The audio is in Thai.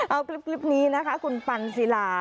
เอาคลิปนี้นะคะคุณปันศิลา